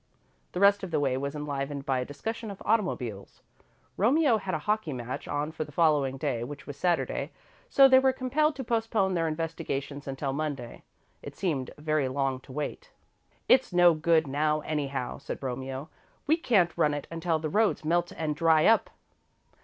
The rest of the way was enlivened by a discussion of automobiles. Romeo had a hockey match on for the following day, which was Saturday, so they were compelled to postpone their investigations until Monday. It seemed very long to wait. "It's no good now, anyhow," said Romeo. "We can't run it until the roads melt and dry up."